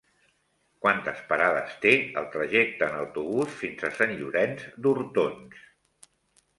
Quantes parades té el trajecte en autobús fins a Sant Llorenç d'Hortons?